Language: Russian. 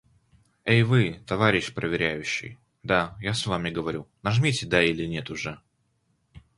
Эй вы, товарищ проверяющий. Да, я с вами говорю, нажмите "Да" или "Нет" уже.